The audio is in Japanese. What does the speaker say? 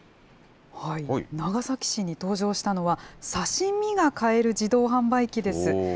長崎市に登場したのは、刺身が買える自動販売機です。